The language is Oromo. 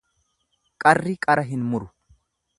Qarri qara hin muru.